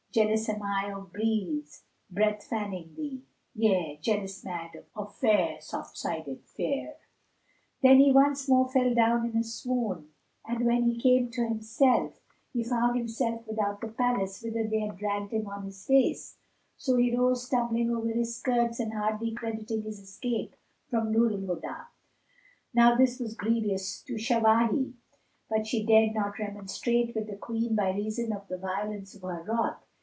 Jealous am I of breeze breath fanning thee; * Yea jealous mad of fair soft sided fere!" Then he once more fell down in a swoon, and when he came to himself, he found himself without the palace whither they had dragged him on his face; so he rose, stumbling over his skirts and hardly crediting his escape from Nur al Huda. Now this was grievous to Shawahi; but she dared not remonstrate with the Queen by reason of the violence of her wrath.